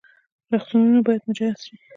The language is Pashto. روغتونونه باید مجهز شي